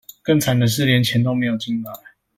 更慘的是連錢都沒有進來